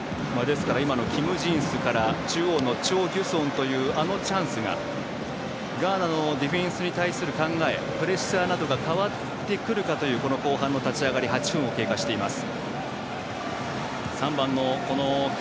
今のキム・ジンスから中央のチョ・ギュソンというあのチャンスが、ガーナのディフェンスに対する考えプレッシャーなどが変わってくるかという後半の立ち上がり８分を経過しています。